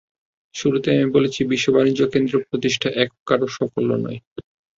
শুরুতেই আমি বলেছি, বিশ্ব বাণিজ্য কেন্দ্র প্রতিষ্ঠা একক কারও সাফল্য নয়।